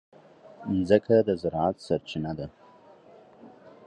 مځکه د زراعت سرچینه ده.